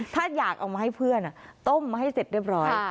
ถ้าอยากเอามาให้เพื่อนต้มมาให้เสร็จเรียบร้อย